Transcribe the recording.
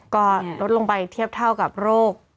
ก็ลดลงไปเทียบเท่ากับโรค